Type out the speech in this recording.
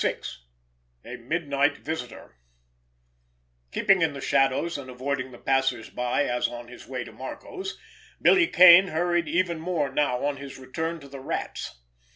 VI—A MIDNIGHT VISITOR Keeping in the shadows and avoiding the passers by as on his way to Marco's, Billy Kane hurried even more now on his return to the Rat's.